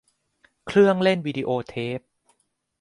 เครื่องเล่นวีดีโอเทป